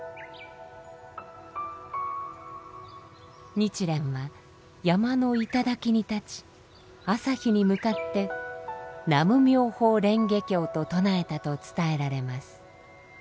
日蓮は山の頂に立ち朝日に向かって「南無妙法蓮華経」と唱えたと伝えられます。